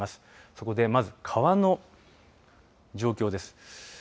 そこで、まず川の状況です。